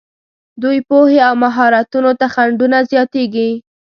دوی پوهې او مهارتونو ته خنډونه زیاتېږي.